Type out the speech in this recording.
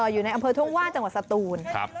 อยู่ในอำเภอทุ่งว่าจังหวัดสตูน